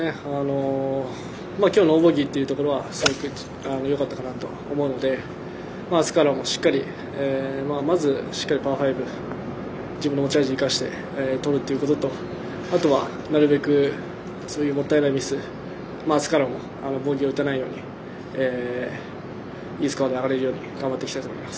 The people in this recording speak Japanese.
今日、ノーボギーはすごくよかったかなと思うのであすからもしっかりまずしっかりパー５自分の持ち味を生かしてとるということとあとは、なるべくそういうもったいないミスあすからもボギーを打たないようにいいスコアで上がれるように頑張っていきたいと思います。